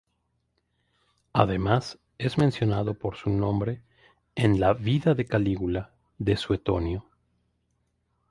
Además es mencionado por su nombre en la "Vida de Calígula" de Suetonio.